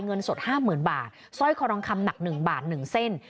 เงินสดห้าหมื่นบาทสร้อยคอรองคำหนักหนึ่งบาทหนึ่งเส้น